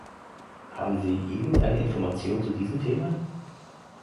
Haben Sie irgendeine Information zu diesem Thema?